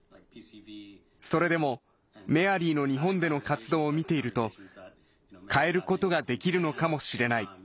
それでもメアリーの日本での活動を見ていると変えることができるのかもしれない。